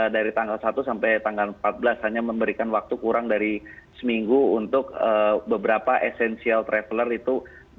dari tanggal satu sampai tanggal empat belas hanya memberikan waktu kurang dari seminggu untuk beberapa essential traveler itu